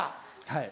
はい。